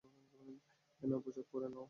এই নাও, পোশাক পরে নাও।